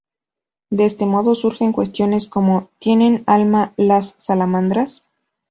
De este modo, surgen cuestiones como "¿Tienen alma las salamandras?